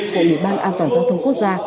của ủy ban an toàn giao thông quốc gia